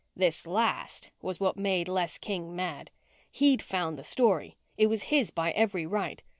This last was what made Les King mad. He'd found the story. It was his by every right.